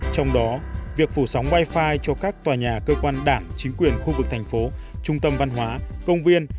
trong đó việc phủ sóng wifi cho các tòa nhà cơ quan đảng chính quyền khu vực thành phố trung tâm văn hóa công viên